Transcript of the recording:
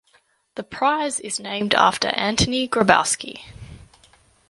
The prize is named after Antoni Grabowski.